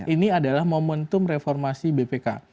ini adalah momentum reformasi bpk